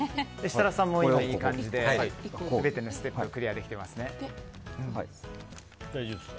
設楽さんもいい感じで全てのステップをクリアできていますね。